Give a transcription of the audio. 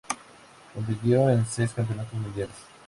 Compitió en seis campeonatos mundiales.